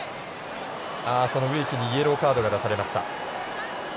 植木にイエローカードが出されました。